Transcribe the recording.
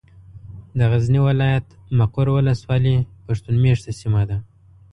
د غزني ولايت ، مقر ولسوالي پښتون مېشته سيمه ده.